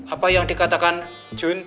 apa yang dikatakan jun